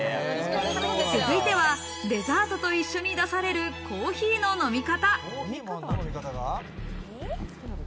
続いてはデザートと一緒に出されるコーヒーの飲み方。